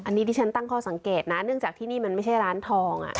อันนี้ที่ฉันตั้งข้อสังเกตนะเนื่องจากที่นี่มันไม่ใช่ร้านทอง